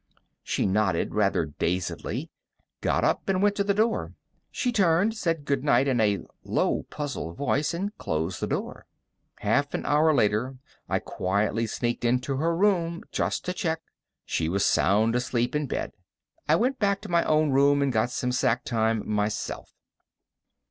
She nodded rather dazedly, got up, and went to the door. She turned, said goodnight in a low, puzzled voice, and closed the door. Half an hour later, I quietly sneaked into her room just to check. She was sound asleep in bed. I went back to my own room, and got some sack time myself.